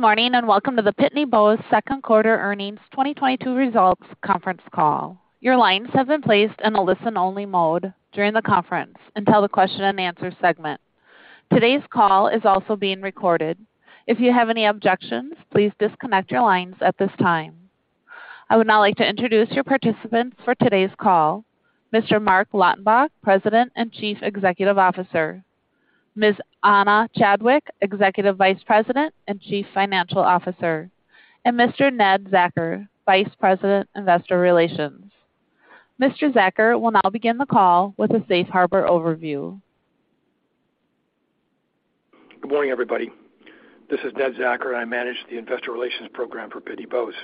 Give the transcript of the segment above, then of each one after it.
Good morning, and welcome to the Pitney Bowes second quarter earnings 2022 results conference call. Your lines have been placed in a listen-only mode during the conference until the question-and-answer segment. Today's call is also being recorded. If you have any objections, please disconnect your lines at this time. I would now like to introduce your participants for today's call. Mr. Marc Lautenbach, President and Chief Executive Officer, Ms. Ana Chadwick, Executive Vice President and Chief Financial Officer, and Mr. Ned Zachar, Vice President, Investor Relations. Mr. Zachar will now begin the call with a safe harbor overview. Good morning, everybody. This is Ned Zachar, and I manage the investor relations program for Pitney Bowes.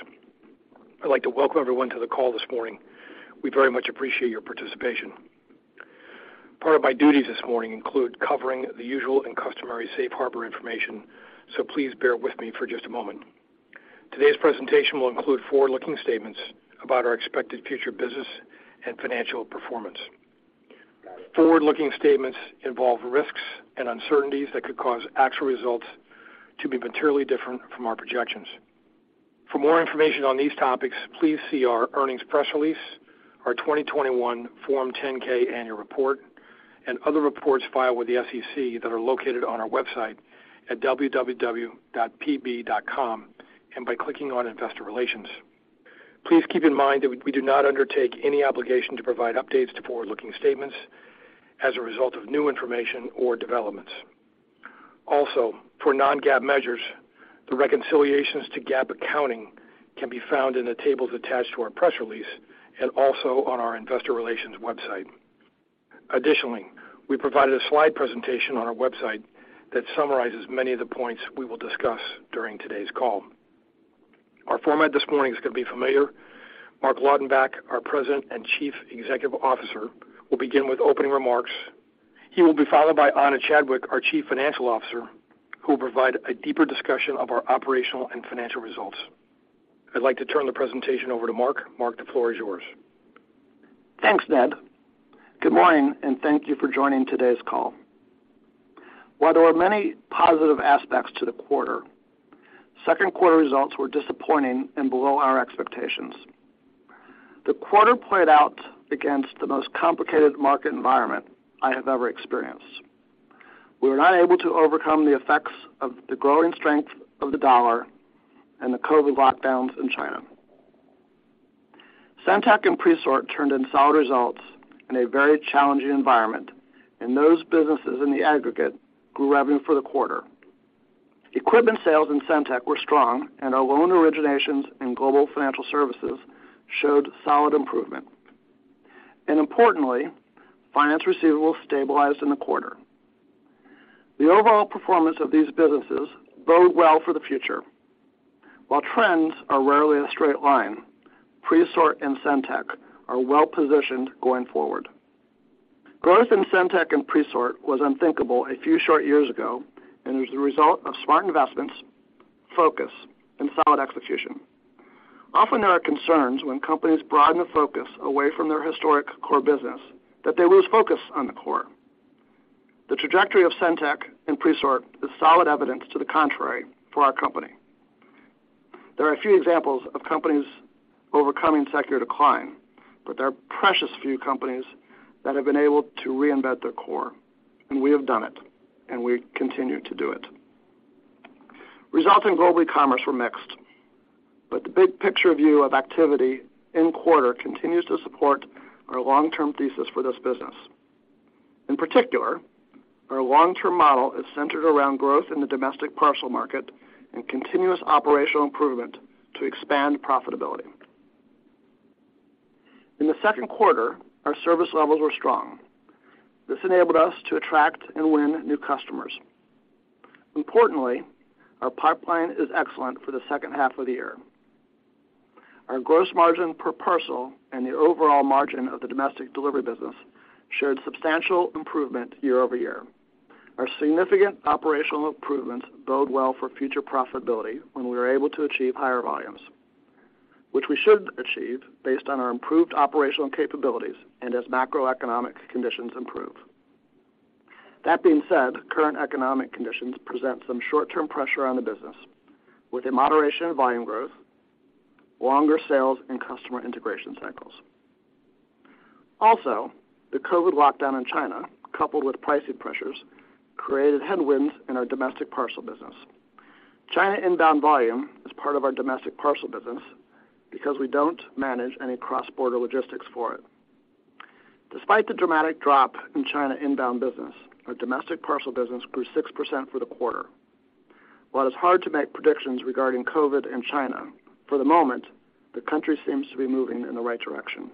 I'd like to welcome everyone to the call this morning. We very much appreciate your participation. Part of my duties this morning include covering the usual and customary safe harbor information, so please bear with me for just a moment. Today's presentation will include forward-looking statements about our expected future business and financial performance. Forward-looking statements involve risks and uncertainties that could cause actual results to be materially different from our projections. For more information on these topics, please see our earnings press release, our 2021 Form 10-K annual report, and other reports filed with the SEC that are located on our website at www.pb.com, and by clicking on Investor Relations. Please keep in mind that we do not undertake any obligation to provide updates to forward-looking statements as a result of new information or developments. Also, for non-GAAP measures, the reconciliations to GAAP accounting can be found in the tables attached to our press release and also on our investor relations website. Additionally, we provided a slide presentation on our website that summarizes many of the points we will discuss during today's call. Our format this morning is going to be familiar. Marc Lautenbach, our President and Chief Executive Officer, will begin with opening remarks. He will be followed by Ana Chadwick, our Chief Financial Officer, who will provide a deeper discussion of our operational and financial results. I'd like to turn the presentation over to Marc. Marc, the floor is yours. Thanks, Ned. Good morning, and thank you for joining today's call. While there were many positive aspects to the quarter, second quarter results were disappointing and below our expectations. The quarter played out against the most complicated market environment I have ever experienced. We were not able to overcome the effects of the growing strength of the dollar and the COVID lockdowns in China. SendTech and Presort turned in solid results in a very challenging environment, and those businesses in the aggregate grew revenue for the quarter. Equipment sales in SendTech were strong, and our loan originations in Global Financial Services showed solid improvement. Importantly, finance receivables stabilized in the quarter. The overall performance of these businesses bode well for the future. While trends are rarely a straight line, Presort and SendTech are well-positioned going forward. Growth in SendTech and Presort was unthinkable a few short years ago and is the result of smart investments, focus, and solid execution. Often, there are concerns when companies broaden the focus away from their historic core business that they lose focus on the core. The trajectory of SendTech and Presort is solid evidence to the contrary for our company. There are a few examples of companies overcoming secular decline, but there are precious few companies that have been able to reinvent their core, and we have done it, and we continue to do it. Results in Global Ecommerce were mixed, but the big picture view of activity in quarter continues to support our long-term thesis for this business. In particular, our long-term model is centered around growth in the domestic parcel market and continuous operational improvement to expand profitability. In the second quarter, our service levels were strong. This enabled us to attract and win new customers. Importantly, our pipeline is excellent for the second half of the year. Our gross margin per parcel and the overall margin of the domestic delivery business showed substantial improvement year-over-year. Our significant operational improvements bode well for future profitability when we are able to achieve higher volumes, which we should achieve based on our improved operational capabilities and as macroeconomic conditions improve. That being said, current economic conditions present some short-term pressure on the business with a moderation in volume growth, longer sales and customer integration cycles. Also, the COVID lockdown in China, coupled with pricing pressures, created headwinds in our domestic parcel business. China inbound volume is part of our domestic parcel business because we don't manage any cross-border logistics for it. Despite the dramatic drop in China inbound business, our domestic parcel business grew 6% for the quarter. While it's hard to make predictions regarding COVID in China, for the moment, the country seems to be moving in the right direction.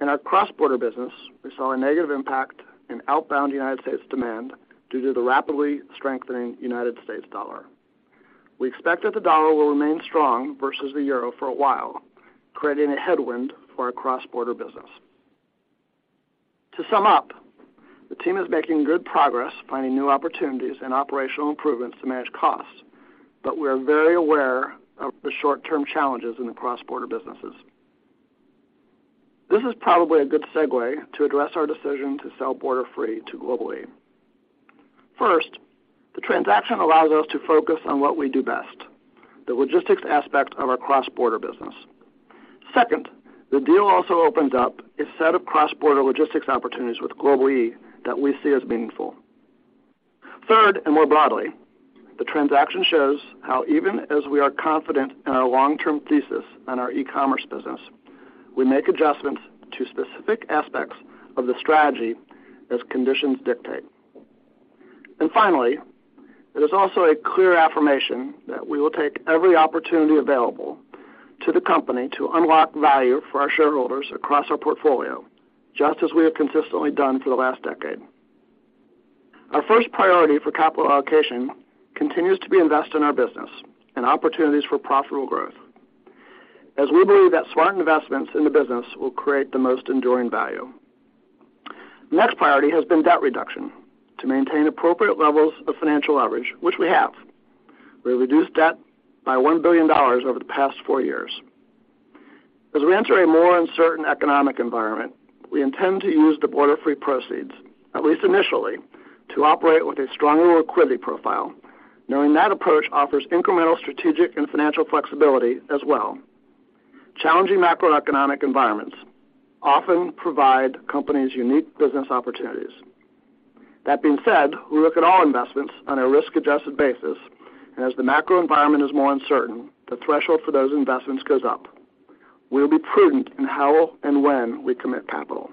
In our cross-border business, we saw a negative impact in outbound United States demand due to the rapidly strengthening United States dollar. We expect that the dollar will remain strong versus the euro for a while, creating a headwind for our cross-border business. To sum up, the team is making good progress finding new opportunities and operational improvements to manage costs, but we are very aware of the short-term challenges in the cross-border businesses. This is probably a good segue to address our decision to sell Borderfree to Global-e. First, the transaction allows us to focus on what we do best, the logistics aspect of our cross-border business. Second, the deal also opens up a set of cross-border logistics opportunities with Global-e that we see as meaningful. Third, and more broadly, the transaction shows how even as we are confident in our long-term thesis on our e-commerce business, we make adjustments to specific aspects of the strategy as conditions dictate. Finally, it is also a clear affirmation that we will take every opportunity available to the company to unlock value for our shareholders across our portfolio, just as we have consistently done for the last decade. Our first priority for capital allocation continues to be invest in our business and opportunities for profitable growth, as we believe that smart investments in the business will create the most enduring value. The next priority has been debt reduction to maintain appropriate levels of financial leverage, which we have. We reduced debt by $1 billion over the past four years. As we enter a more uncertain economic environment, we intend to use the Borderfree proceeds, at least initially, to operate with a stronger liquidity profile, knowing that approach offers incremental strategic and financial flexibility as well. Challenging macroeconomic environments often provide companies unique business opportunities. That being said, we look at all investments on a risk-adjusted basis, and as the macro environment is more uncertain, the threshold for those investments goes up. We'll be prudent in how and when we commit capital.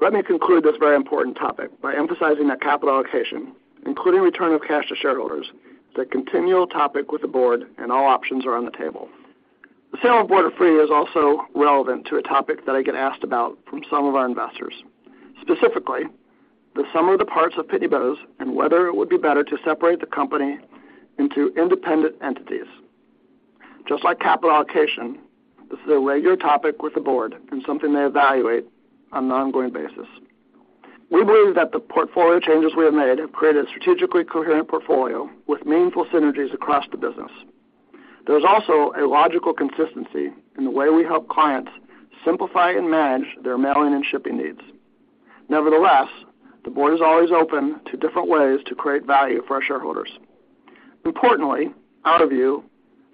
Let me conclude this very important topic by emphasizing that capital allocation, including return of cash to shareholders, is a continual topic with The Board, and all options are on the table. The sale of Borderfree is also relevant to a topic that I get asked about from some of our investors, specifically the sum of the parts of Pitney Bowes and whether it would be better to separate the company into independent entities. Just like capital allocation, this is a regular topic with The Board and something they evaluate on an ongoing basis. We believe that the portfolio changes we have made have created a strategically coherent portfolio with meaningful synergies across the business. There's also a logical consistency in the way we help clients simplify and manage their mailing and shipping needs. Nevertheless, The Board is always open to different ways to create value for our shareholders. Importantly, our view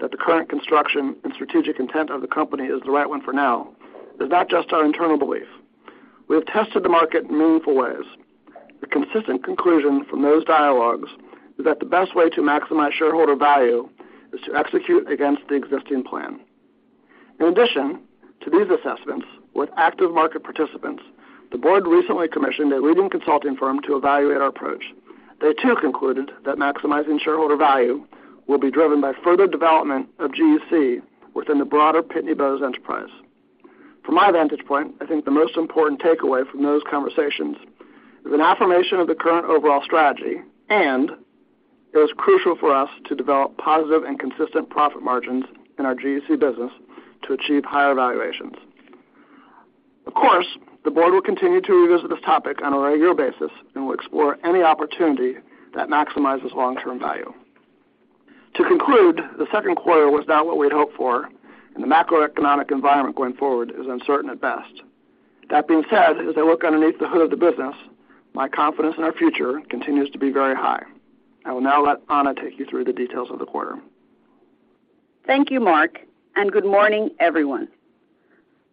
that the current construction and strategic intent of the company is the right one for now is not just our internal belief. We have tested the market in meaningful ways. The consistent conclusion from those dialogues is that the best way to maximize shareholder value is to execute against the existing plan. In addition to these assessments with active market participants, The Board recently commissioned a leading consulting firm to evaluate our approach. They too concluded that maximizing shareholder value will be driven by further development of GEC within the broader Pitney Bowes enterprise. From my vantage point, I think the most important takeaway from those conversations is an affirmation of the current overall strategy, and it is crucial for us to develop positive and consistent profit margins in our GEC business to achieve higher valuations. Of course, The Board will continue to revisit this topic on a regular basis and will explore any opportunity that maximizes long-term value. To conclude, the second quarter was not what we'd hoped for, and the macroeconomic environment going forward is uncertain at best. That being said, as I look underneath the hood of the business, my confidence in our future continues to be very high. I will now let Ana take you through the details of the quarter. Thank you, Marc, and good morning, everyone.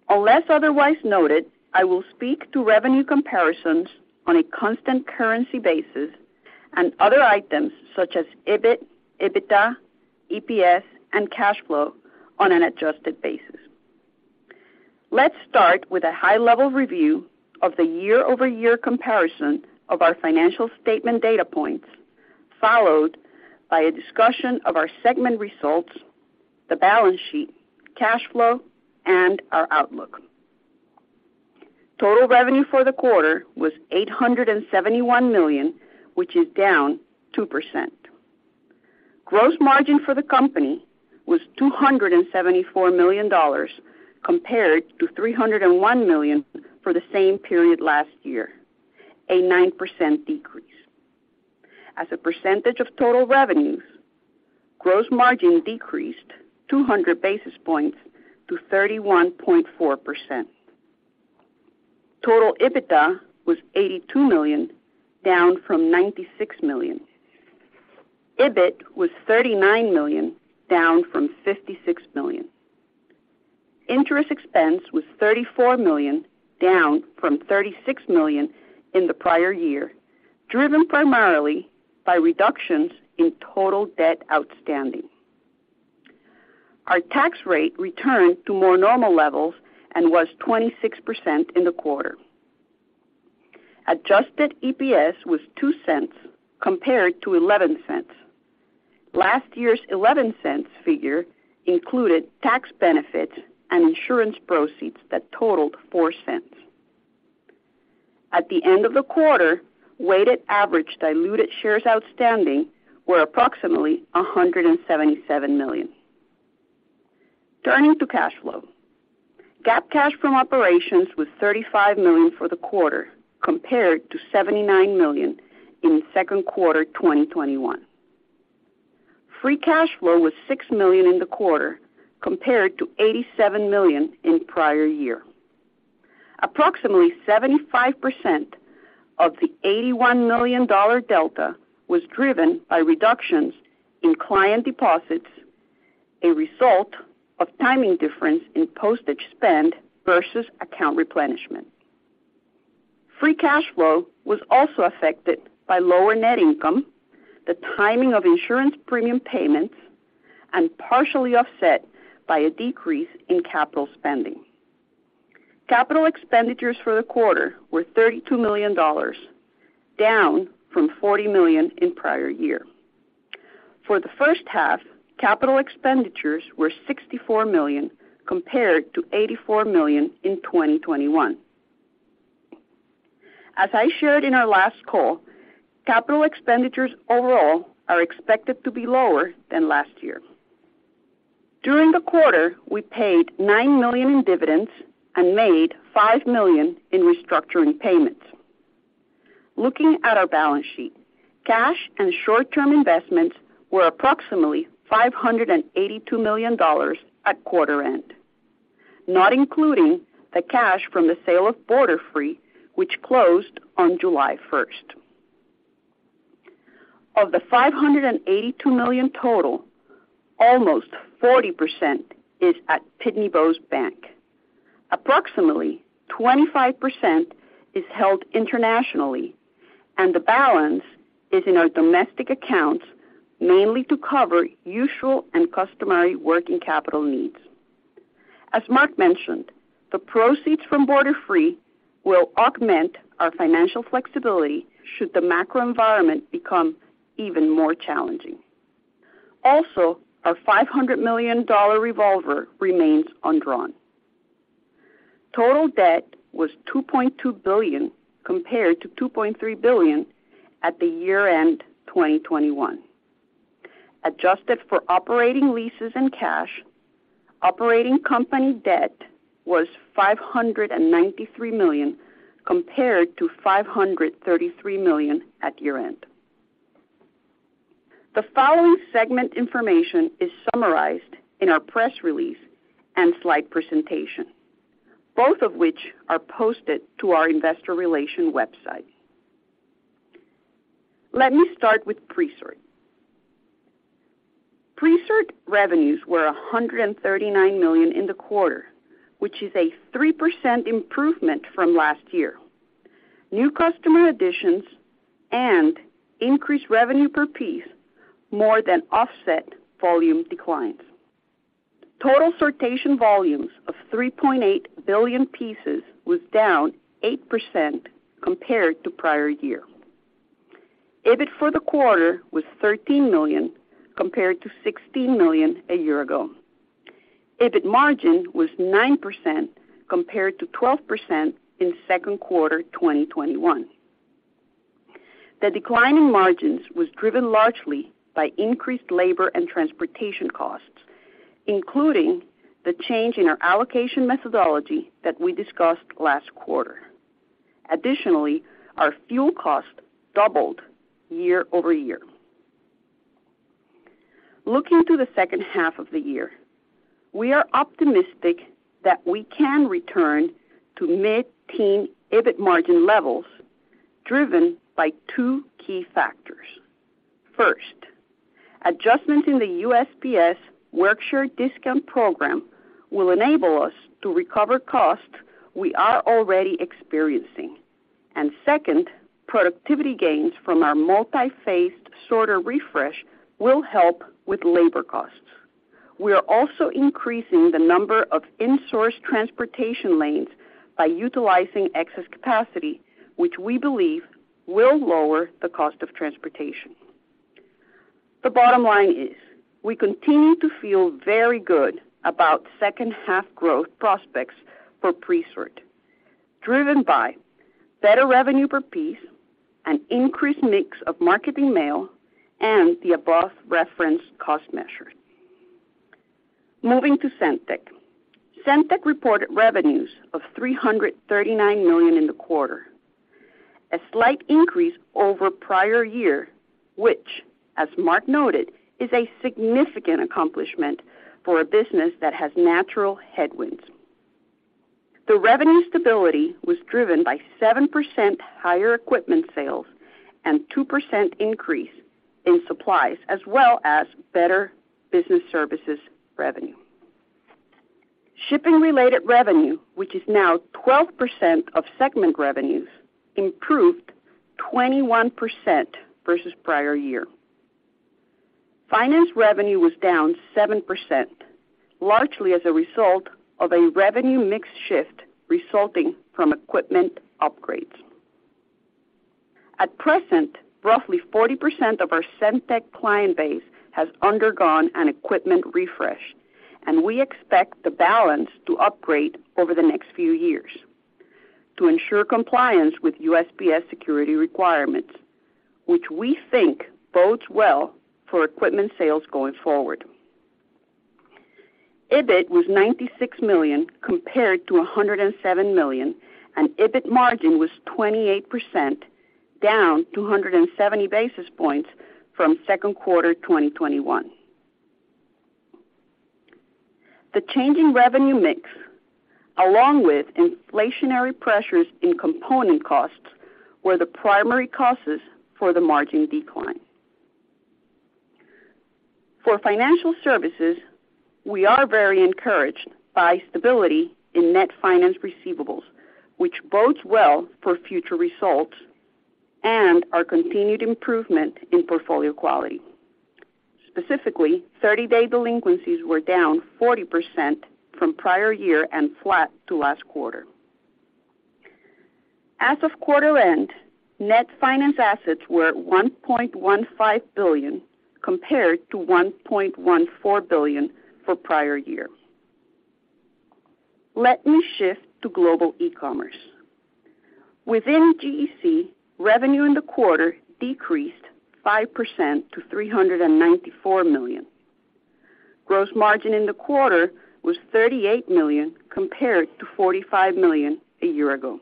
Unless otherwise noted, I will speak to revenue comparisons on a constant currency basis and other items such as EBIT, EBITDA, EPS, and cash flow on an adjusted basis. Let's start with a high-level review of the year-over-year comparison of our financial statement data points, followed by a discussion of our segment results, the balance sheet, cash flow, and our outlook. Total revenue for the quarter was $871 million, which is down 2%. Gross margin for the company was $274 million compared to $301 million for the same period last year, a 9% decrease. As a percentage of total revenues, gross margin decreased 200 basis points to 31.4%. Total EBITDA was $82 million, down from $96 million. EBIT was $39 million, down from $56 million. Interest expense was $34 million, down from $36 million in the prior year, driven primarily by reductions in total debt outstanding. Our tax rate returned to more normal levels and was 26% in the quarter. Adjusted EPS was $0.02 compared to $0.11. Last year's $0.11 figure included tax benefits and insurance proceeds that totaled $0.04. At the end of the quarter, weighted average diluted shares outstanding were approximately 177 million. Turning to cash flow. GAAP cash from operations was $35 million for the quarter, compared to $79 million in second quarter 2021. Free cash flow was $6 million in the quarter compared to $87 million in prior year. Approximately 75% of the $81 million delta was driven by reductions in client deposits, a result of timing difference in postage spend versus account replenishment. Free cash flow was also affected by lower net income, the timing of insurance premium payments, and partially offset by a decrease in capital spending. Capital expenditures for the quarter were $32 million, down from $40 million in prior year. For the first half, capital expenditures were $64 million compared to $84 million in 2021. As I shared in our last call, capital expenditures overall are expected to be lower than last year. During the quarter, we paid $9 million in dividends and made $5 million in restructuring payments. Looking at our balance sheet, cash and short-term investments were approximately $582 million at quarter end, not including the cash from the sale of Borderfree, which closed on July 1. Of the $582 million total, almost 40% is at Pitney Bowes Bank. Approximately 25% is held internationally, and the balance is in our domestic accounts, mainly to cover usual and customary working capital needs. As Marc mentioned, the proceeds from Borderfree will augment our financial flexibility should the macro environment become even more challenging. Our $500 million revolver remains undrawn. Total debt was $2.2 billion compared to $2.3 billion at the year-end 2021. Adjusted for operating leases and cash, operating company debt was $593 million compared to $533 million at year-end. The following segment information is summarized in our press release and slide presentation, both of which are posted to our investor relations website. Let me start with Presort. Presort revenues were $139 million in the quarter, which is a 3% improvement from last year. New customer additions and increased revenue per piece more than offset volume declines. Total sortation volumes of 3.8 billion pieces was down 8% compared to prior year. EBIT for the quarter was $13 million compared to $16 million a year ago. EBIT margin was 9% compared to 12% in second quarter 2021. The decline in margins was driven largely by increased labor and transportation costs, including the change in our allocation methodology that we discussed last quarter. Additionally, our fuel cost doubled year-over-year. Looking to the second half of the year, we are optimistic that we can return to mid-teen EBIT margin levels driven by two key factors. First, adjustments in the USPS Workshare discount program will enable us to recover costs we are already experiencing. Second, productivity gains from our multi-phased sorter refresh will help with labor costs. We are also increasing the number of insourced transportation lanes by utilizing excess capacity, which we believe will lower the cost of transportation. The bottom line is we continue to feel very good about second half growth prospects for Presort, driven by better revenue per piece, an increased mix of marketing mail, and the above-referenced cost measures. Moving to SendTech. SendTech reported revenues of $339 million in the quarter, a slight increase over prior year, which, as Marc noted, is a significant accomplishment for a business that has natural headwinds. The revenue stability was driven by 7% higher equipment sales and 2% increase in supplies, as well as better business services revenue. Shipping-related revenue, which is now 12% of segment revenues, improved 21% versus prior year. Finance revenue was down 7%, largely as a result of a revenue mix shift resulting from equipment upgrades. At present, roughly 40% of our SendTech client base has undergone an equipment refresh, and we expect the balance to upgrade over the next few years to ensure compliance with USPS security requirements, which we think bodes well for equipment sales going forward. EBIT was $96 million compared to $107 million, and EBIT margin was 28%, down 270 basis points from second quarter of 2021. The change in revenue mix, along with inflationary pressures in component costs, were the primary causes for the margin decline. For financial services, we are very encouraged by stability in net finance receivables, which bodes well for future results and our continued improvement in portfolio quality. Specifically, 30-day delinquencies were down 40% from prior year and flat to last quarter. As of quarter end, net finance assets were at $1.15 billion compared to $1.14 billion for prior year. Let me shift to Global Ecommerce. Within GEC, revenue in the quarter decreased 5% to $394 million. Gross margin in the quarter was $38 million compared to $45 million a year ago.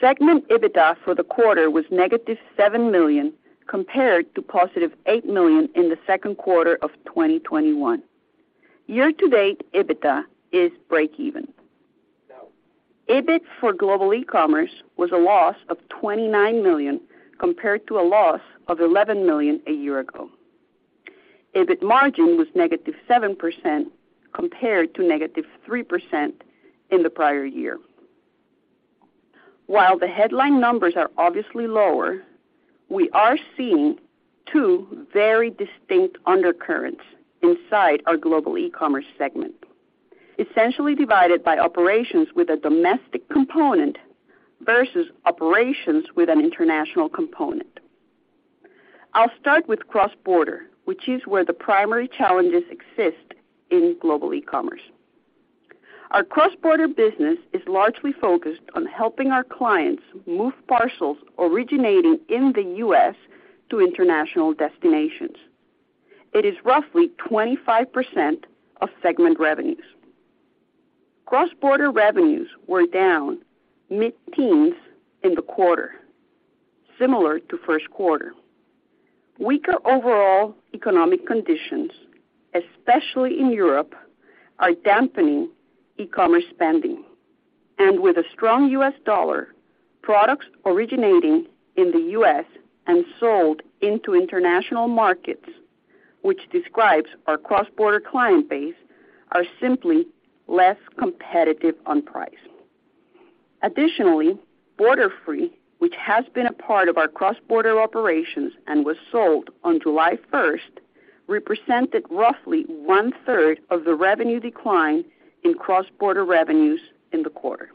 Segment EBITDA for the quarter was -$7 million compared to +$8 million in the second quarter of 2021. Year-to-date EBITDA is break-even. EBIT for Global Ecommerce was a loss of $29 million compared to a loss of $11 million a year ago. EBIT margin was -7% compared to -3% in the prior year. While the headline numbers are obviously lower, we are seeing two very distinct undercurrents inside our Global Ecommerce segment, essentially divided by operations with a domestic component versus operations with an international component. I'll start with cross-border, which is where the primary challenges exist in Global Ecommerce. Our cross-border business is largely focused on helping our clients move parcels originating in the U.S. to international destinations. It is roughly 25% of segment revenues. Cross-border revenues were down mid-teens in the quarter, similar to first quarter. Weaker overall economic conditions, especially in Europe, are dampening e-commerce spending. With a strong U.S. dollar, products originating in the U.S. and sold into international markets, which describes our cross-border client base, are simply less competitive on price. Borderfree, which has been a part of our cross-border operations and was sold on July first, represented roughly 1/3 of the revenue decline in cross-border revenues in the quarter.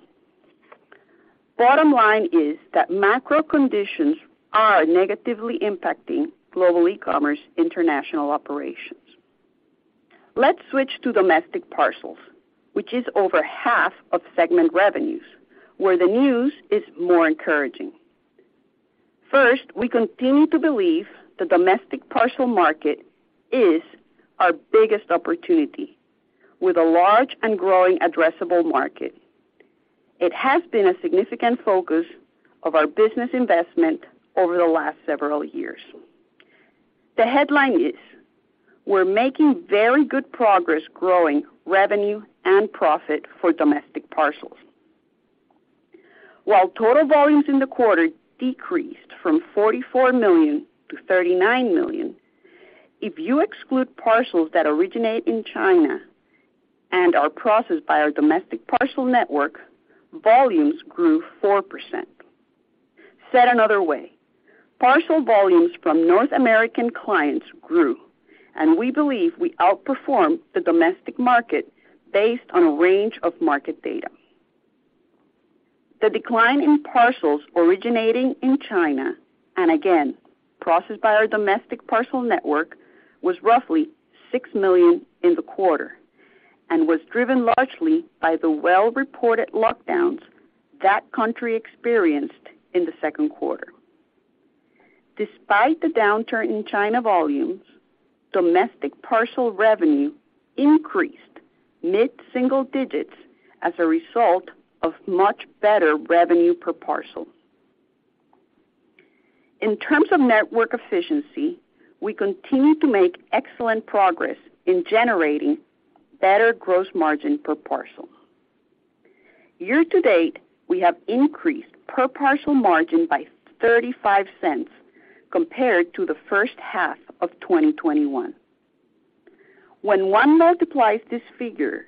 Bottom line is that macro conditions are negatively impacting global e-commerce international operations. Let's switch to domestic parcels, which is over half of segment revenues, where the news is more encouraging. First, we continue to believe the domestic parcel market is our biggest opportunity with a large and growing addressable market. It has been a significant focus of our business investment over the last several years. The headline is we're making very good progress growing revenue and profit for domestic parcels. While total volumes in the quarter decreased from 44 million to 39 million, if you exclude parcels that originate in China and are processed by our domestic parcel network, volumes grew 4%. Said another way, parcel volumes from North American clients grew, and we believe we outperformed the domestic market based on a range of market data. The decline in parcels originating in China, and again processed by our domestic parcel network, was roughly 6 million in the quarter and was driven largely by the well-reported lockdowns that country experienced in the second quarter. Despite the downturn in China volumes, domestic parcel revenue increased mid-single digits as a result of much better revenue per parcel. In terms of network efficiency, we continue to make excellent progress in generating better gross margin per parcel. Year-to-date, we have increased per parcel margin by $0.35 compared to the first half of 2021. When one multiplies this figure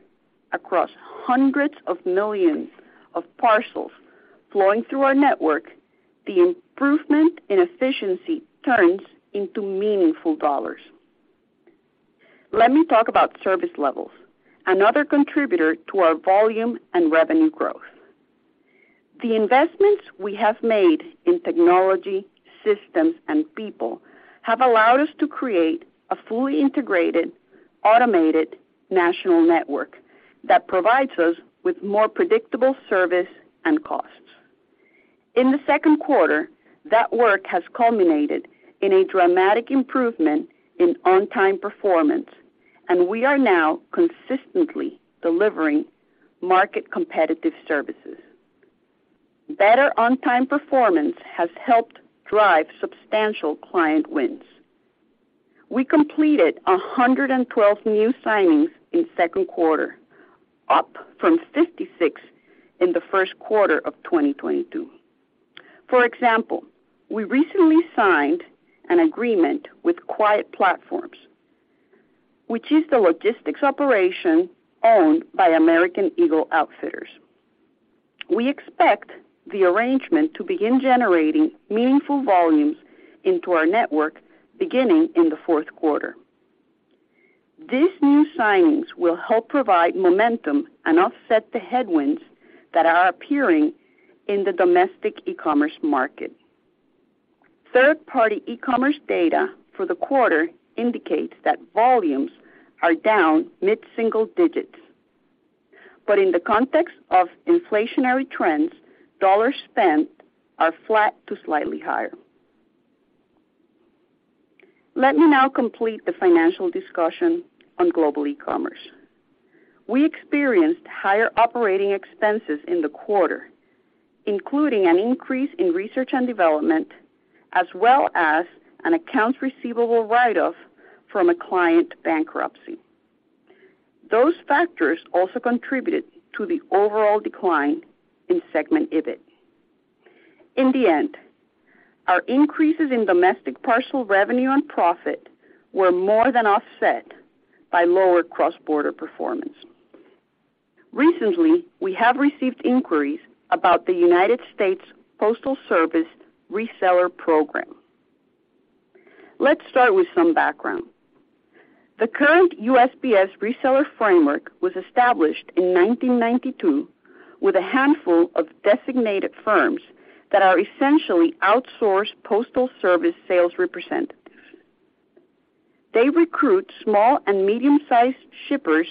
across hundreds of millions of parcels flowing through our network, the improvement in efficiency turns into meaningful dollars. Let me talk about service levels, another contributor to our volume and revenue growth. The investments we have made in technology, systems, and people have allowed us to create a fully integrated, automated national network that provides us with more predictable service and costs. In the second quarter, that work has culminated in a dramatic improvement in on-time performance, and we are now consistently delivering market competitive services. Better on-time performance has helped drive substantial client wins. We completed 112 new signings in second quarter, up from 56 in the first quarter of 2022. For example, we recently signed an agreement with Quiet Platforms, which is the logistics operation owned by American Eagle Outfitters. We expect the arrangement to begin generating meaningful volumes into our network beginning in the fourth quarter. These new signings will help provide momentum and offset the headwinds that are appearing in the domestic e-commerce market. Third-party e-commerce data for the quarter indicates that volumes are down mid-single digits. In the context of inflationary trends, dollars spent are flat to slightly higher. Let me now complete the financial discussion on Global Ecommerce. We experienced higher operating expenses in the quarter, including an increase in research and development, as well as an accounts receivable write-off from a client bankruptcy. Those factors also contributed to the overall decline in segment EBIT. In the end, our increases in domestic parcel revenue and profit were more than offset by lower cross-border performance. Recently, we have received inquiries about the United States Postal Service reseller program. Let's start with some background. The current USPS reseller framework was established in 1992 with a handful of designated firms that are essentially outsourced postal service sales representatives. They recruit small and medium-sized shippers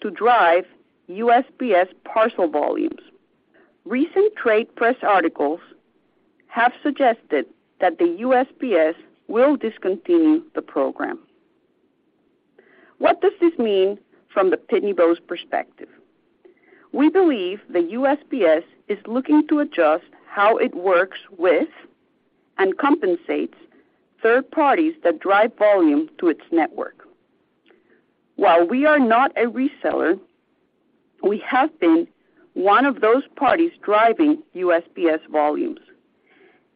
to drive USPS parcel volumes. Recent trade press articles have suggested that the USPS will discontinue the program. What does this mean from the Pitney Bowes perspective? We believe the USPS is looking to adjust how it works with and compensates third parties that drive volume to its network. While we are not a reseller, we have been one of those parties driving USPS volumes,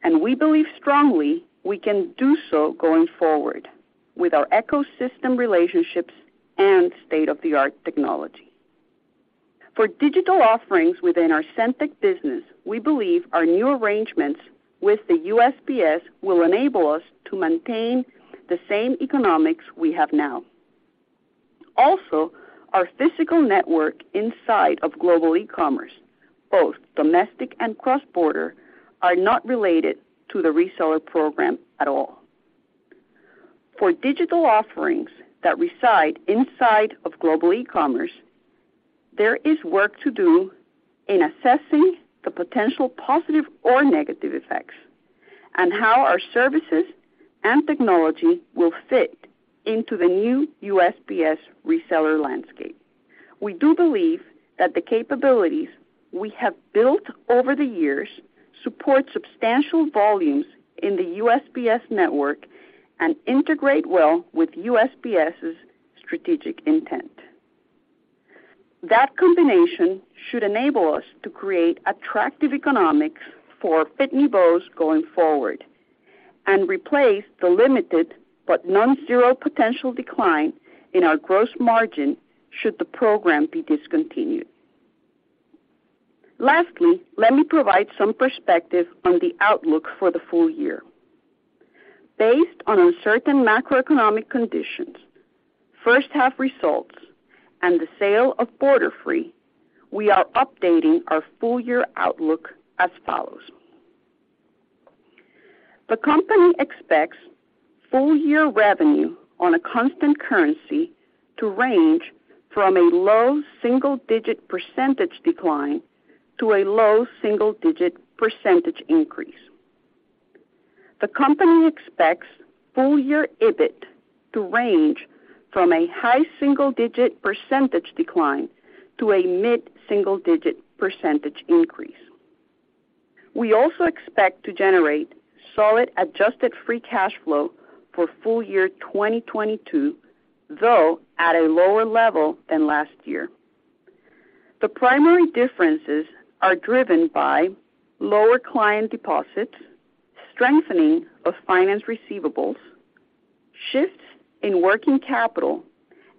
and we believe strongly we can do so going forward with our ecosystem relationships and state-of-the-art technology. For digital offerings within our SendTech business, we believe our new arrangements with the USPS will enable us to maintain the same economics we have now. Also, our physical network inside of Global Ecommerce, both domestic and cross-border, are not related to the reseller program at all. For digital offerings that reside inside of Global Ecommerce, there is work to do in assessing the potential positive or negative effects and how our services and technology will fit into the new USPS reseller landscape. We do believe that the capabilities we have built over the years support substantial volumes in the USPS network and integrate well with USPS's strategic intent. That combination should enable us to create attractive economics for Pitney Bowes going forward and replace the limited but non-zero potential decline in our gross margin should the program be discontinued. Lastly, let me provide some perspective on the outlook for the full year. Based on uncertain macroeconomic conditions, first half results, and the sale of Borderfree, we are updating our full year outlook as follows. The company expects full year revenue on a constant currency to range from a low single-digit percentage decline to a low single-digit percentage increase. The company expects full year EBIT to range from a high single-digit percentage decline to a mid-single digit percentage increase. We also expect to generate solid adjusted free cash flow for full year 2022, though at a lower level than last year. The primary differences are driven by lower client deposits, strengthening of finance receivables, shifts in working capital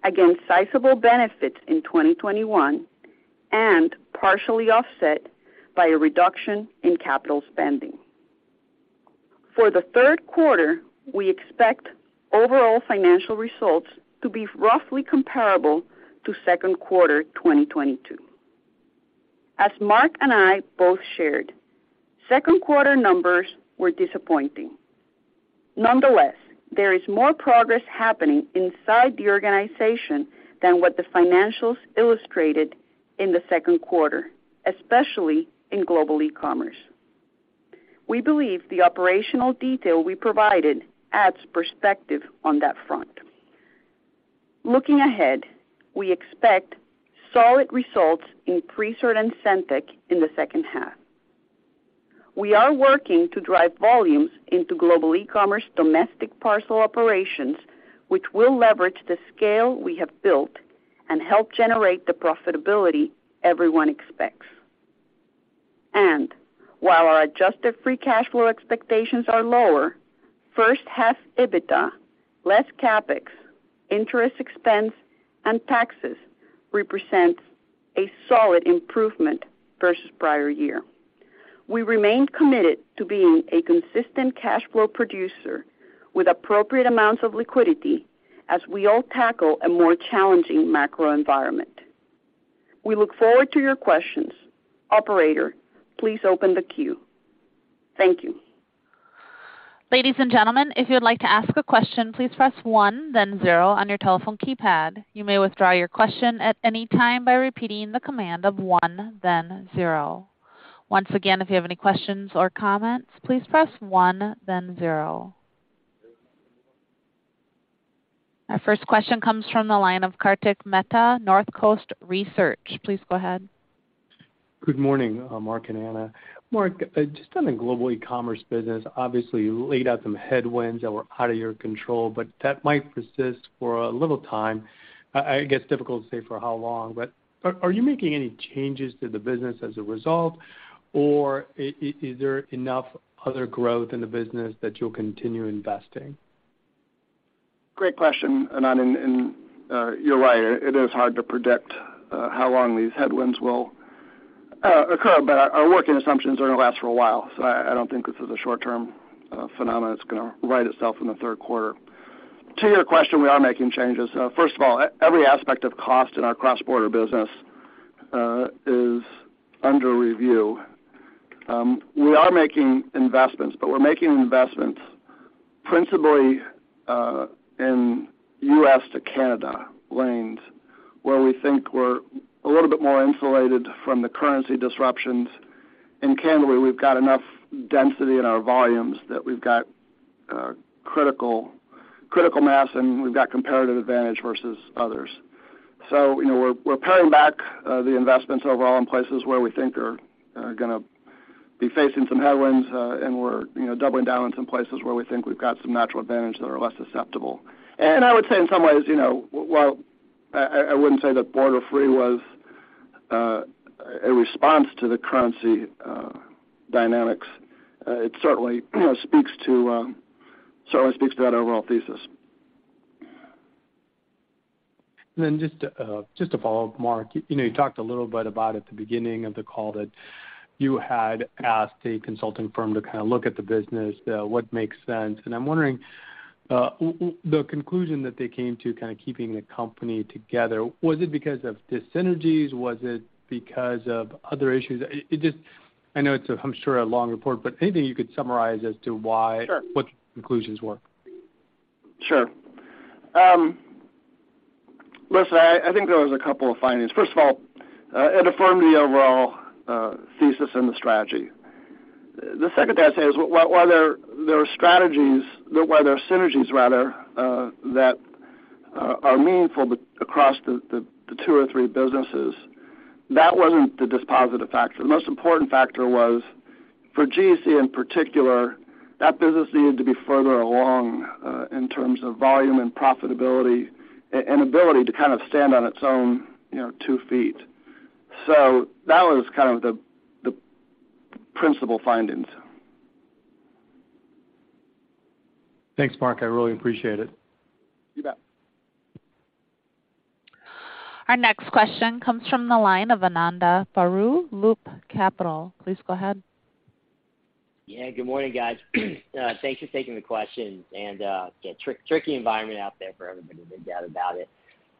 against sizable benefits in 2021, and partially offset by a reduction in capital spending. For the third quarter, we expect overall financial results to be roughly comparable to second quarter 2022. As Marc and I both shared, second quarter numbers were disappointing. Nonetheless, there is more progress happening inside the organization than what the financials illustrated in the second quarter, especially in Global Ecommerce. We believe the operational detail we provided adds perspective on that front. Looking ahead, we expect solid results in Presort and SendTech in the second half. We are working to drive volumes into Global Ecommerce domestic parcel operations, which will leverage the scale we have built and help generate the profitability everyone expects. While our adjusted free cash flow expectations are lower, first half EBITDA, less CapEx, interest expense and taxes represent a solid improvement versus prior year. We remain committed to being a consistent cash flow producer with appropriate amounts of liquidity as we all tackle a more challenging macro environment. We look forward to your questions. Operator, please open the queue. Thank you. Ladies and gentlemen, if you would like to ask a question, please press one then zero on your telephone keypad. You may withdraw your question at any time by repeating the command of one then zero. Once again, if you have any questions or comments, please press one then zero. Our first question comes from the line of Kartik Mehta, Northcoast Research. Please go ahead. Good morning, Marc and Ana. Marc, just on the Global Ecommerce business, obviously, you laid out some headwinds that were out of your control, but that might persist for a little time. I guess difficult to say for how long, but are you making any changes to the business as a result, or is there enough other growth in the business that you'll continue investing? Great question, Kartik. You're right. It is hard to predict how long these headwinds will occur, but our working assumptions are gonna last for a while. I don't think this is a short-term phenomenon that's gonna right itself in the third quarter. To your question, we are making changes. First of all, every aspect of cost in our cross-border business is under review. We are making investments, but we're making investments principally in U.S. to Canada lanes, where we think we're a little bit more insulated from the currency disruptions. Candidly, we've got enough density in our volumes that we've got critical mass, and we've got comparative advantage versus others. You know, we're paring back the investments overall in places where we think are gonna be facing some headwinds, and we're you know doubling down in some places where we think we've got some natural advantage that are less susceptible. I would say in some ways, you know, while I wouldn't say that Borderfree was a response to the currency dynamics, it certainly you know speaks to sort of speaks to that overall thesis. Then just a follow-up, Marc. You know, you talked a little bit about at the beginning of the call that you had asked a consulting firm to kinda look at the business, what makes sense. I'm wondering, the conclusion that they came to kinda keeping the company together, was it because of the synergies? Was it because of other issues? It just. I know it's a, I'm sure a long report, but anything you could summarize as to why. Sure. What the conclusions were. Sure. Listen, I think there was a couple of findings. First of all, it affirmed the overall thesis and the strategy. The second thing I'd say is while there are synergies rather that are meaningful across the two or three businesses, that wasn't the dispositive factor. The most important factor was for GEC in particular, that business needed to be further along in terms of volume and profitability and ability to kind of stand on its own, you know, two feet. That was kind of the principal findings. Thanks, Marc. I really appreciate it. You bet. Our next question comes from the line of Ananda Baruah, Loop Capital. Please go ahead. Yeah, good morning, guys. Thanks for taking the questions and, yeah, tricky environment out there for everybody, no doubt about it.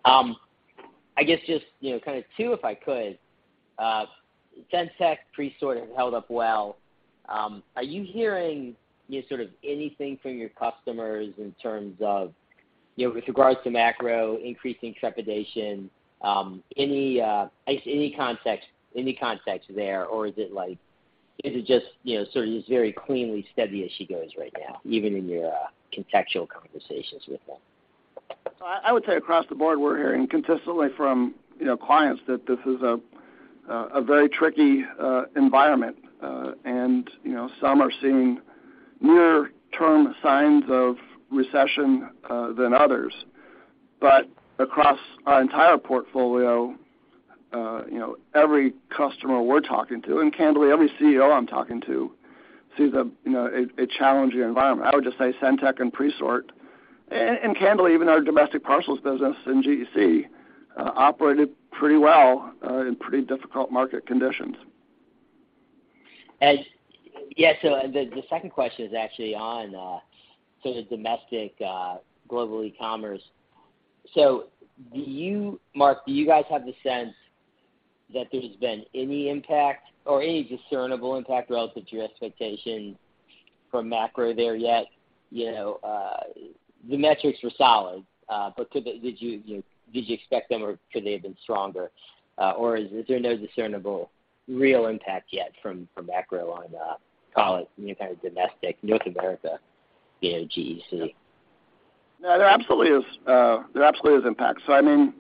I guess just, you know, kinda two if I could. SendTech, Presort have held up well. Are you hearing sort of anything from your customers in terms of, you know, with regards to macro, increasing trepidation? Any, I guess any context there? Or is it like, is it just, you know, sort of just very cleanly steady as she goes right now, even in your, contextual conversations with them? I would say across the board, we're hearing consistently from, you know, clients that this is a very tricky environment. You know, some are seeing near-term signs of recession more than others. Across our entire portfolio, you know, every customer we're talking to, and candidly, every CEO I'm talking to sees a challenging environment. I would just say SendTech and Presort, and candidly even our domestic parcels business in GEC operated pretty well in pretty difficult market conditions. Yeah. The second question is actually on sort of domestic Global Ecommerce. Marc, do you guys have the sense that there's been any impact or any discernible impact relative to your expectation from macro there yet? You know, the metrics were solid, but did you know, did you expect them or could they have been stronger? Or is there no discernible real impact yet from macro on call it any kind of domestic North America, you know, GEC? No, there absolutely is impact. I mean,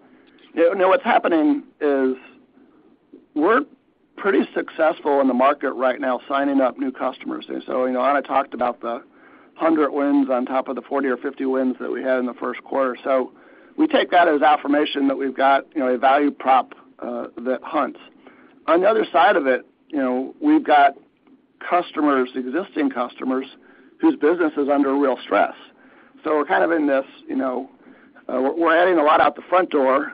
you know, what's happening is we're pretty successful in the market right now signing up new customers. Ana talked about the 100 wins on top of the 40 or 50 wins that we had in the first quarter. We take that as affirmation that we've got, you know, a value prop that hunts. On the other side of it, you know, we've got customers, existing customers, whose business is under real stress. We're kind of in this, you know, we're adding a lot out the front door.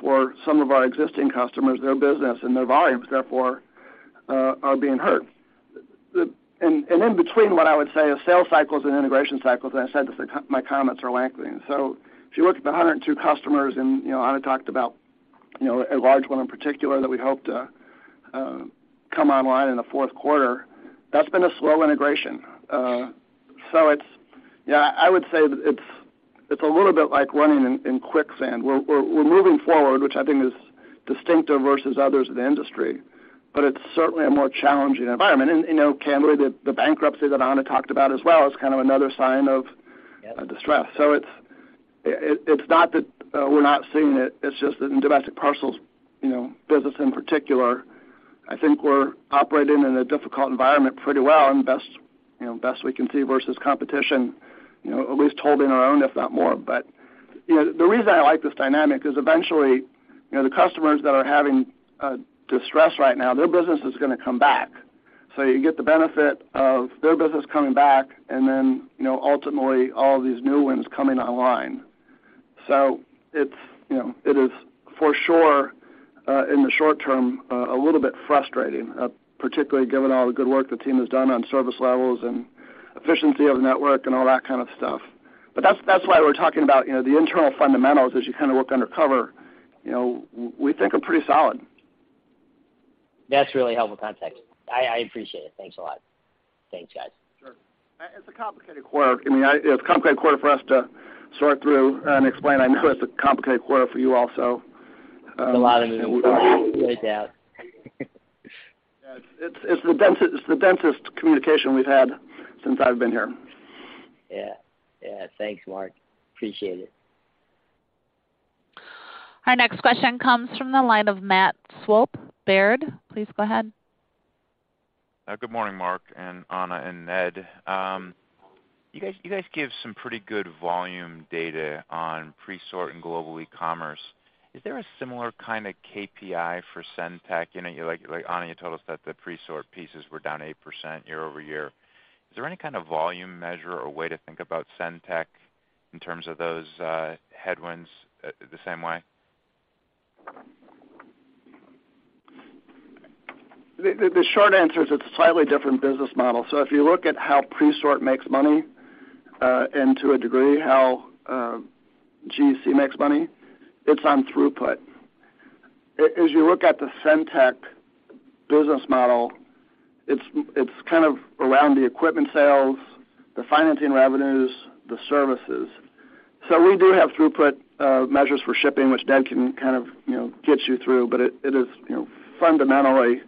For some of our existing customers, their business and their volumes therefore are being hurt. In between what I would say is sales cycles and integration cycles, and I said this, my comments are lengthy. If you look at the 102 customers and, you know, Ana talked about, you know, a large one in particular that we hope to come online in the fourth quarter, that's been a slow integration. It's a little bit like running in quicksand. We're moving forward, which I think is distinctive versus others in the industry, but it's certainly a more challenging environment. You know, the bankruptcy that Ana talked about as well is kind of another sign of. Yeah. distress. It's not that we're not seeing it. It's just that in domestic parcels, you know, business in particular, I think we're operating in a difficult environment pretty well, and best we can see versus competition, you know, at least holding our own, if not more. You know, the reason I like this dynamic is eventually, you know, the customers that are having distress right now, their business is gonna come back. You get the benefit of their business coming back and then, you know, ultimately all of these new wins coming online. It's, you know, it is for sure in the short term a little bit frustrating, particularly given all the good work the team has done on service levels and efficiency of the network and all that kind of stuff. That's why we're talking about, you know, the internal fundamentals as you kind of look under cover, you know, we think are pretty solid. That's really helpful context. I appreciate it. Thanks a lot. Thanks, guys. Sure. It's a complicated quarter. I mean, it's a complicated quarter for us to sort through and explain. I know it's a complicated quarter for you also. There's a lot of moving parts, no doubt. Yeah. It's the densest communication we've had since I've been here. Yeah. Yeah. Thanks, Marc. Appreciate it. Our next question comes from the line of Matt Swope, Baird. Please go ahead. Good morning, Marc and Ana and Ned. You guys give some pretty good volume data on Presort and Global Ecommerce. Is there a similar kind of KPI for SendTech? You know, like Ana told us that the Presort pieces were down 8% year-over-year. Is there any kind of volume measure or way to think about SendTech in terms of those headwinds the same way? The short answer is it's a slightly different business model. If you look at how Presort makes money, and to a degree how GEC makes money, it's on throughput. As you look at the SendTech business model, it's kind of around the equipment sales, the financing revenues, the services. We do have throughput measures for shipping, which Ned can kind of, you know, get you through, but it is, you know, fundamentally,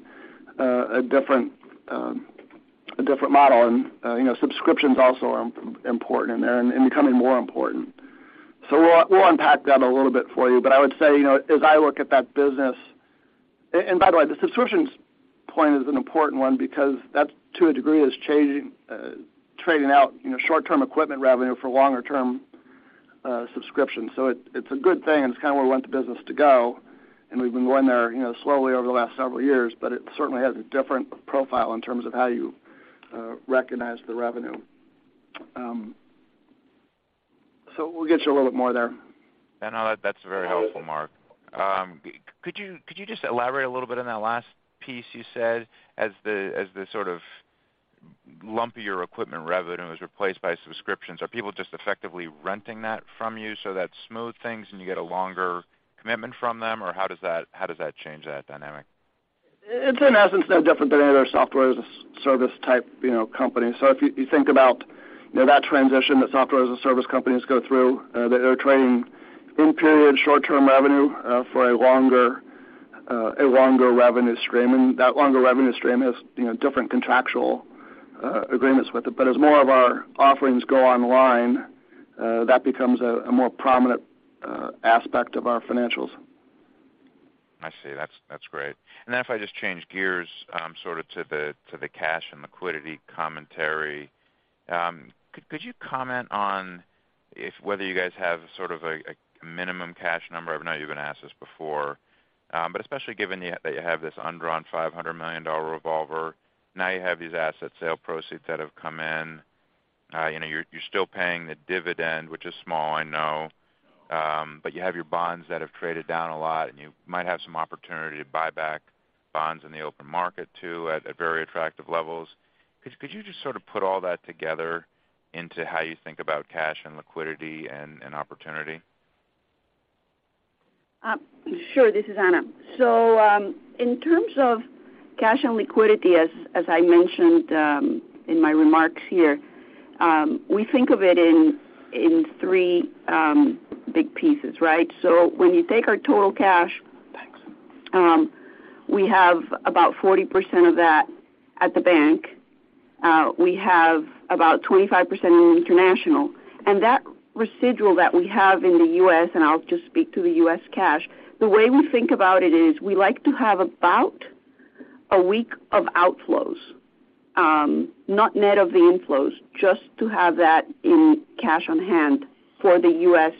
a different model. You know, subscriptions also are important in there and becoming more important. We'll unpack that a little bit for you. I would say, you know, as I look at that business. By the way, the subscriptions point is an important one because that to a degree is changing, trading out, you know, short-term equipment revenue for longer term subscription. It is a good thing, and it is kind of where we want the business to go, and we've been going there, you know, slowly over the last several years, but it certainly has a different profile in terms of how you recognize the revenue. We'll get you a little bit more there. Yeah. No. That's very helpful, Marc. Could you just elaborate a little bit on that last piece you said as the sort of lumpier equipment revenue is replaced by subscriptions? Are people just effectively renting that from you so that smooth things and you get a longer commitment from them? Or how does that change that dynamic? It's in essence no different than any other software as a service type, you know, company. If you think about, you know, that transition that software as a service companies go through, they're trading in period short-term revenue for a longer revenue stream. That longer revenue stream has, you know, different contractual agreements with it. As more of our offerings go online, that becomes a more prominent aspect of our financials. I see. That's great. If I just change gears, sort of to the cash and liquidity commentary. Could you comment on whether you guys have sort of a minimum cash number? I know you've been asked this before. Especially given that you have this undrawn $500 million revolver, now you have these asset sale proceeds that have come in. You know, you're still paying the dividend, which is small, I know. You have your bonds that have traded down a lot, and you might have some opportunity to buy back bonds in the open market too at very attractive levels. Could you just sort of put all that together into how you think about cash and liquidity and opportunity? Sure. This is Anna. In terms of cash and liquidity, as I mentioned in my remarks here, we think of it in three big pieces, right? When you take our total cash, we have about 40% of that at the bank. We have about 25% in international, and that residual that we have in the U.S., and I'll just speak to the U.S. cash, the way we think about it is we like to have about a week of outflows, not net of the inflows, just to have that in cash on hand for the U.S.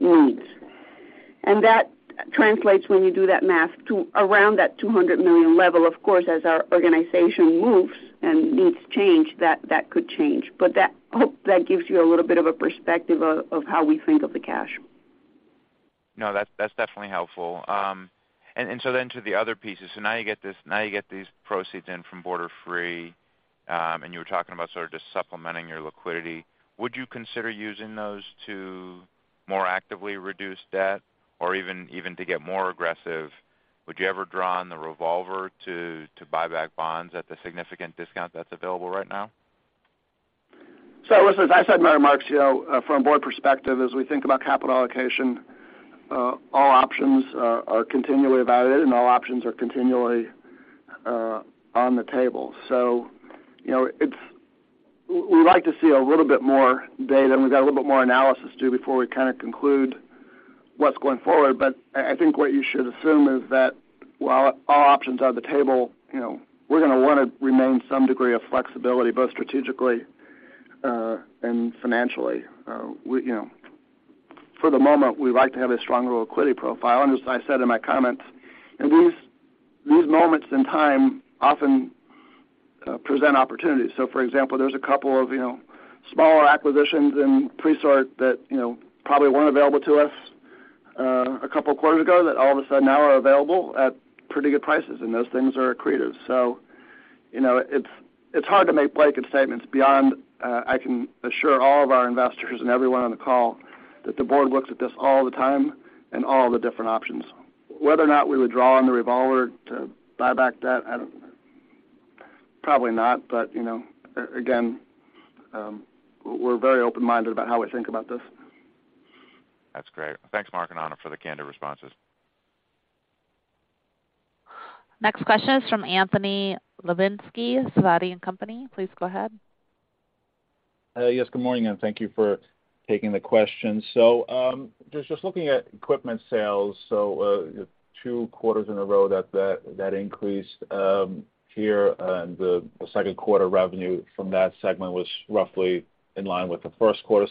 needs. That translates, when you do that math, to around that $200 million level. Of course, as our organization moves and needs change, that could change. That gives you a little bit of a perspective of how we think of the cash. No, that's definitely helpful. To the other pieces, now you get these proceeds in from Borderfree, and you were talking about sort of just supplementing your liquidity. Would you consider using those to more actively reduce debt? Or even to get more aggressive, would you ever draw on the revolver to buy back bonds at the significant discount that's available right now? Listen, as I said in my remarks, you know, from a Board perspective, as we think about capital allocation, all options are continually evaluated, and all options are continually on the table. You know, it's. We'd like to see a little bit more data, and we've got a little bit more analysis due before we kind of conclude what's going forward. I think what you should assume is that while all options are on the table, you know, we're gonna wanna remain some degree of flexibility, both strategically and financially. We, you know, for the moment, we like to have a stronger liquidity profile, and as I said in my comments, in these moments in time often present opportunities. For example, there's a couple of, you know, smaller acquisitions in Presort that, you know, probably weren't available to us, a couple quarters ago that all of a sudden now are available at pretty good prices, and those things are accretive. You know, it's hard to make blanket statements beyond, I can assure all of our investors and everyone on the call that The Board looks at this all the time and all the different options. Whether or not we would draw on the revolver to buy back debt, I don't know. Probably not, but, you know, again, we're very open-minded about how we think about this. That's great. Thanks, Marc and Ana, for the candid responses. Next question is from Anthony Lebiedzinski, Sidoti & Company. Please go ahead. Yes, good morning, and thank you for taking the question. Just looking at equipment sales, two quarters in a row that increased here, and the second quarter revenue from that segment was roughly in line with the first quarter.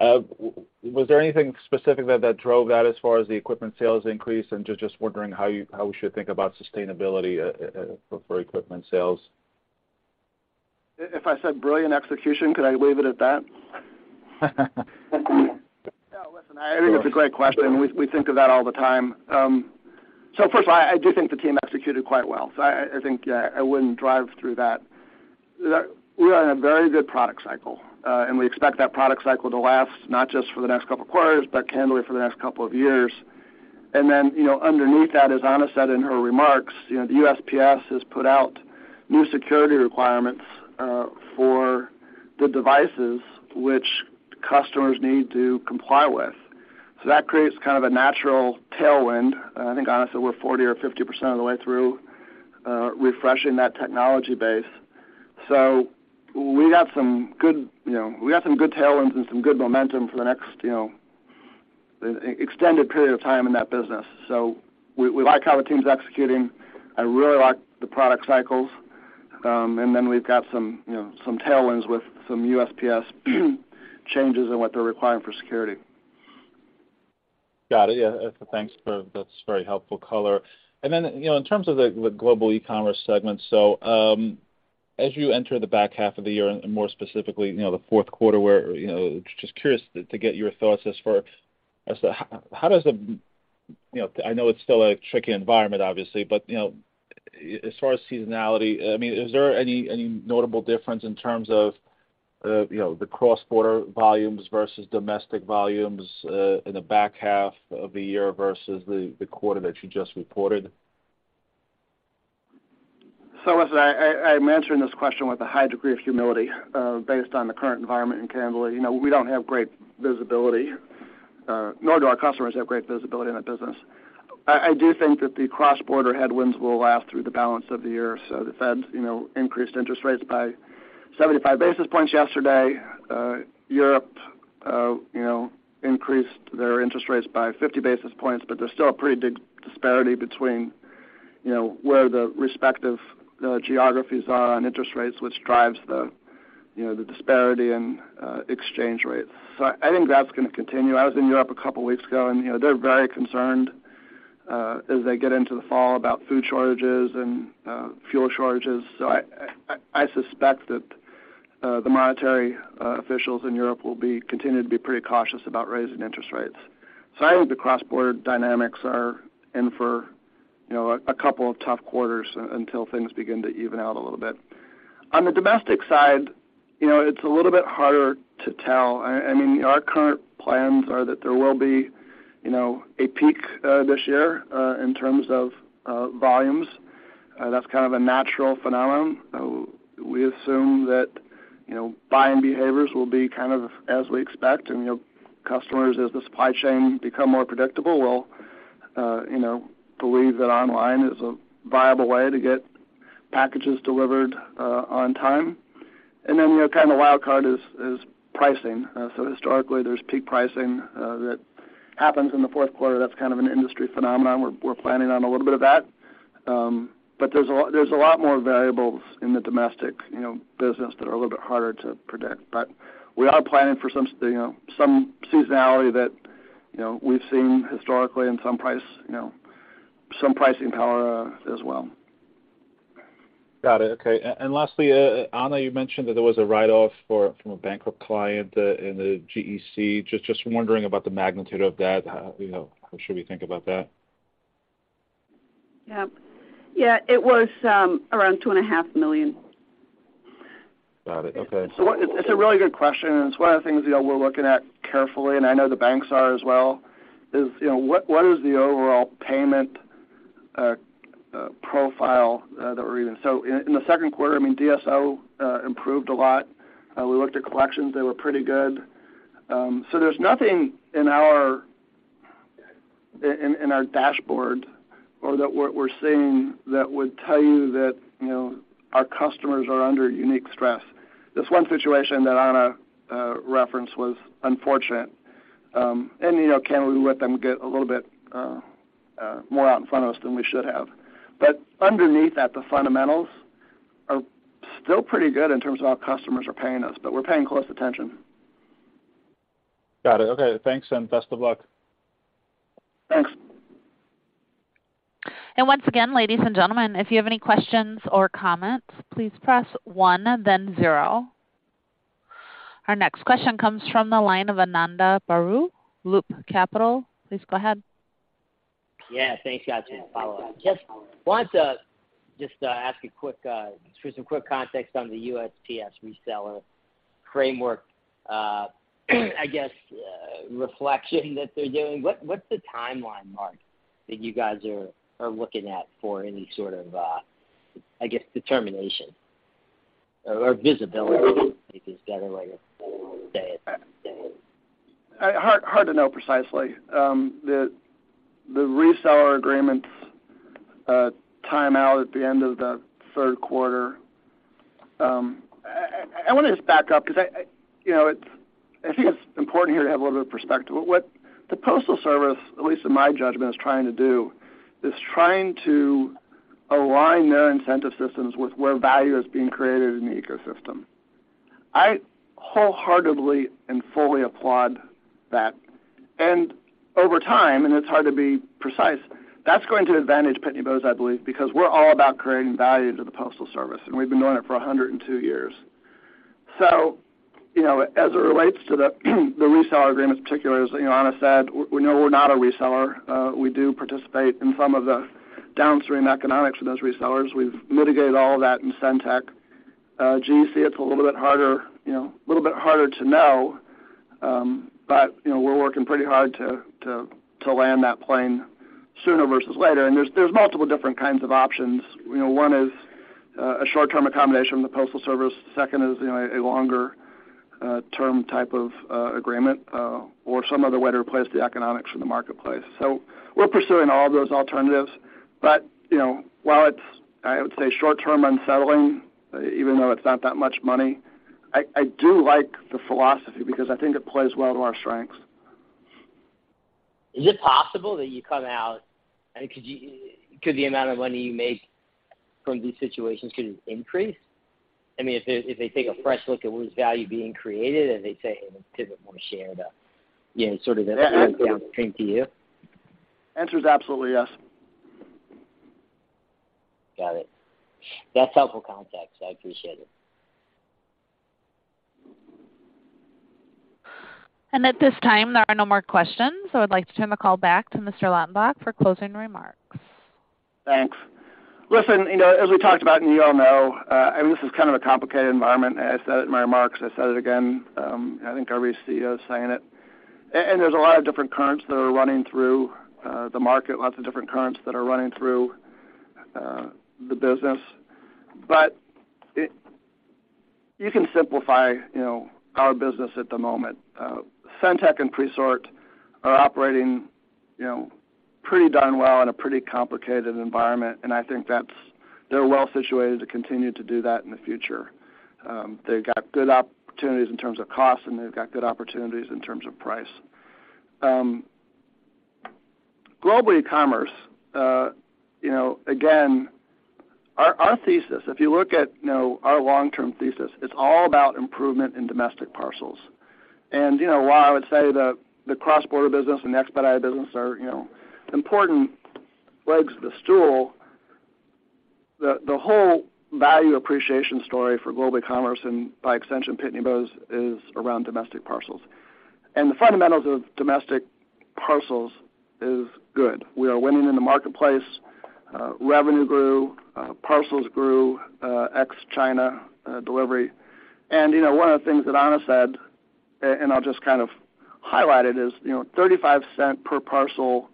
Was there anything specific that drove that as far as the equipment sales increase, and just wondering how we should think about sustainability for equipment sales. If I said brilliant execution, could I leave it at that? Yeah, listen, I think it's a great question. We think of that all the time. First of all, I do think the team executed quite well, so I think, yeah, I wouldn't drive through that. We are in a very good product cycle, and we expect that product cycle to last not just for the next couple of quarters but candidly for the next couple of years. You know, underneath that, as Ana said in her remarks, you know, the USPS has put out new security requirements for the devices which customers need to comply with. That creates kind of a natural tailwind, and I think Ana said we're 40% or 50% of the way through refreshing that technology base. We have some good tailwinds and some good momentum for the next, you know, extended period of time in that business. We like how the team's executing. I really like the product cycles. We've got some, you know, some tailwinds with some USPS changes in what they're requiring for security. Got it. Yeah, thanks for that very helpful color. Then, you know, in terms of the Global Ecommerce segment, so, as you enter the back half of the year, and more specifically, you know, the fourth quarter where, you know, just curious to get your thoughts as far as how does the, you know, I know it's still a tricky environment obviously, but, you know, as far as seasonality, I mean, is there any notable difference in terms of, you know, the cross-border volumes versus domestic volumes, in the back half of the year versus the quarter that you just reported? Listen, I'm answering this question with a high degree of humility, based on the current environment and candidly, you know, we don't have great visibility, nor do our customers have great visibility in the business. I do think that the cross-border headwinds will last through the balance of the year. The Fed, you know, increased interest rates by 75 basis points yesterday. Europe, you know, increased their interest rates by 50 basis points, but there's still a pretty big disparity between, you know, where the respective geographies are on interest rates, which drives the, you know, the disparity and exchange rates. I think that's gonna continue. I was in Europe a couple weeks ago, and, you know, they're very concerned, as they get into the fall about food shortages and fuel shortages. I suspect that the monetary officials in Europe will continue to be pretty cautious about raising interest rates. I think the cross-border dynamics are in for, you know, a couple of tough quarters until things begin to even out a little bit. On the domestic side, you know, it's a little bit harder to tell. I mean, our current plans are that there will be, you know, a peak this year in terms of volumes. That's kind of a natural phenomenon. We assume that, you know, buying behaviors will be kind of as we expect, and, you know, customers, as the supply chain become more predictable will, you know, believe that online is a viable way to get packages delivered on time. Then, you know, kind of a wild card is pricing. Historically, there's peak pricing that happens in the fourth quarter. That's kind of an industry phenomenon. We're planning on a little bit of that. There's a lot more variables in the domestic, you know, business that are a little bit harder to predict. We are planning for some, you know, some seasonality that, you know, we've seen historically and some price, you know, some pricing power as well. Got it. Okay. Lastly, Ana, you mentioned that there was a write-off from a bankrupt client in the GEC. Just wondering about the magnitude of that. You know, how should we think about that? Yeah, it was around $2.5 million. Got it. Okay. It's a really good question, and it's one of the things, you know, we're looking at carefully, and I know the banks are as well, you know, what is the overall payment profile that we're in. In the second quarter, I mean, DSO improved a lot. We looked at collections, they were pretty good. There's nothing in our dashboard or that we're seeing that would tell you that, you know, our customers are under unique stress. This one situation that Ana referenced was unfortunate. You know, can we let them get a little bit more out in front of us than we should have. Underneath that, the fundamentals are still pretty good in terms of how customers are paying us, but we're paying close attention. Got it. Okay. Thanks, and best of luck. Thanks. Once again, ladies and gentlemen, if you have any questions or comments, please press one then zero. Our next question comes from the line of Ananda Baruah, Loop Capital. Please go ahead. Yeah. Thanks, guys. Follow up. Just want to ask for some quick context on the USPS reseller framework, I guess, reflection that they're doing. What's the timeline mark that you guys are looking at for any sort of, I guess, determination or visibility is a better way to say it. Hard to know precisely. The reseller agreements time out at the end of the third quarter. I wanna just back up 'cause I you know it's important here to have a little bit of perspective. What the Postal Service, at least in my judgment, is trying to do is to align their incentive systems with where value is being created in the ecosystem. I wholeheartedly and fully applaud that. Over time, and it's hard to be precise, that's going to advantage Pitney Bowes, I believe, because we're all about creating value to the Postal Service, and we've been doing it for 102 years. You know, as it relates to the reseller agreement particularly, as you know, Ana said, we know we're not a reseller. We do participate in some of the downstream economics of those resellers. We've mitigated all of that in SendTech. GEC, it's a little bit harder, you know, a little bit harder to know, but, you know, we're working pretty hard to land that plane sooner versus later. There's multiple different kinds of options. You know, one is a short-term accommodation with the Postal Service, second is, you know, a longer term type of agreement, or some other way to replace the economics in the marketplace. We're pursuing all of those alternatives. You know, while it's, I would say short-term unsettling, even though it's not that much money, I do like the philosophy because I think it plays well to our strengths. Is it possible that you come out and could the amount of money you make from these situations could increase? I mean, if they take a fresh look at where's value being created, and they say, "Hey, let's pivot more share to." You know, sort of downstream to you. Answer is absolutely yes. Got it. That's helpful context. I appreciate it. At this time, there are no more questions, so I'd like to turn the call back to Mr. Lautenbach for closing remarks. Thanks. Listen, you know, as we talked about, and you all know, and this is kind of a complicated environment. I said it in my remarks, I said it again, I think every CEO is saying it. There's a lot of different currents that are running through the market, lots of different currents that are running through the business. You can simplify, you know, our business at the moment. SendTech and Presort are operating, you know, pretty darn well in a pretty complicated environment, and I think they're well-situated to continue to do that in the future. They've got good opportunities in terms of cost, and they've got good opportunities in terms of price. Global Ecommerce, you know, again, our thesis, if you look at, you know, our long-term thesis, it's all about improvement in domestic parcels. You know, while I would say the cross-border business and the expedited business are, you know, important legs of the stool. The whole value appreciation story for Global Ecommerce and by extension Pitney Bowes is around domestic parcels. The fundamentals of domestic parcels is good. We are winning in the marketplace, revenue grew, parcels grew, ex China, delivery. You know, one of the things that Ana said, and I'll just kind of highlight it, is, you know, $0.35 per parcel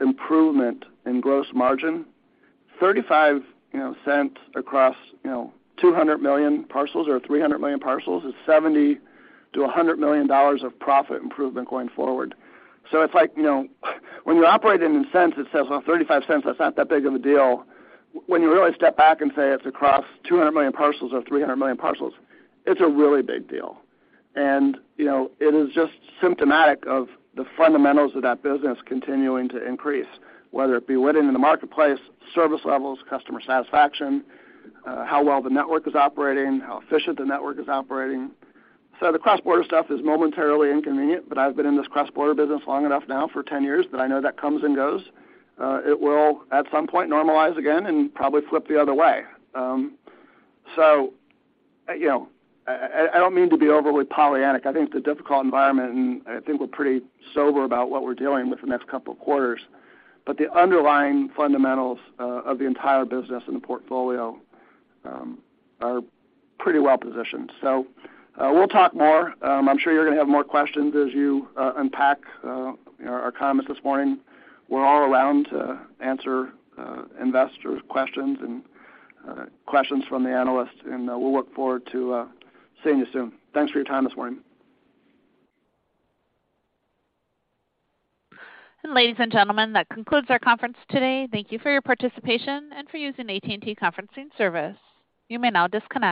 improvement in gross margin. $0.35 across, you know, 200 million parcels or 300 million parcels is $70 million-$100 million of profit improvement going forward. It's like, you know, when you operate it in cents, it says, well, $0.35, that's not that big of a deal. When you really step back and say it's across 200 million parcels or 300 million parcels, it's a really big deal. You know, it is just symptomatic of the fundamentals of that business continuing to increase, whether it be winning in the marketplace, service levels, customer satisfaction, how well the network is operating, how efficient the network is operating. The cross-border stuff is momentarily inconvenient, but I've been in this cross-border business long enough now for 10 years that I know that comes and goes. It will, at some point, normalize again and probably flip the other way. You know, I don't mean to be overly Pollyannaish. I think it's a difficult environment, and I think we're pretty sober about what we're dealing with the next couple of quarters. The underlying fundamentals of the entire business and the portfolio are pretty well-positioned. We'll talk more. I'm sure you're gonna have more questions as you unpack our comments this morning. We're all around to answer investors' questions and questions from the analysts, and we'll look forward to seeing you soon. Thanks for your time this morning. Ladies and gentlemen, that concludes our conference today. Thank you for your participation and for using AT&T conferencing service. You may now disconnect.